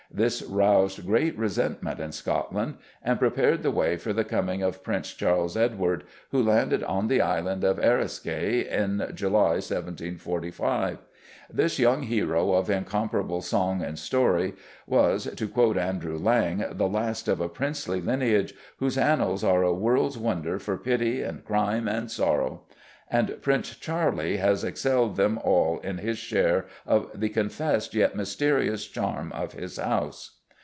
This roused great resentment in Scotland, and prepared the way for the coming of Prince Charles Edward, who landed on the Island of Eriskay in July 1745. This young hero of incomparable song and story was, to quote Andrew Lang, "the last of a princely lineage whose annals are a world's wonder for pity, and crime, and sorrow," and Prince Charlie "has excelled them all in his share of the confessed yet mysterious charm of his House."